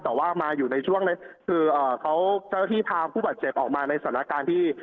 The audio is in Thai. แต่ว่ามาอยู่ในช่วงนั้นคือเขาเจ้าหน้าที่พาผู้บาดเจ็บออกมาในสถานการณ์ที่